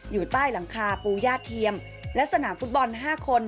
อยู่ใต้หลังคาปูย่าเทียมและสนามฟุตบอล๕คน